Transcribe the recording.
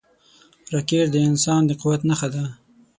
راکټ د انسان د قوت نښه ده